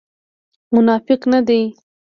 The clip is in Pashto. منافق نه دی.